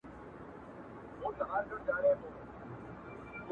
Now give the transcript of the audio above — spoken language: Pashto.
بحثونه زياتېږي هره ورځ دلته تل,